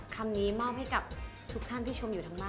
คำนี้มอบให้กับทุกท่านที่ชมอยู่ทางบ้าน